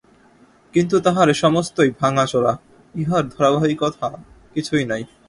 কিন্তু তাহার এসেমস্তই ভাঙাচোরা, ইহার ধারাবাহিকতা কিছুই নাই।